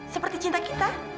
seperti cinta kita